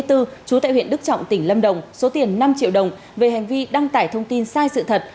trú tại huyện đức trọng tỉnh lâm đồng số tiền năm triệu đồng về hành vi đăng tải thông tin sai sự thật